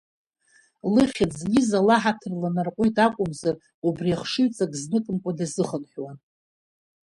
Лыхьӡ, Лиза, лаҳаҭыр ланарҟәуеит акәымзар, убри ахшыҩҵак зныкымкәа дазыхынҳәуан.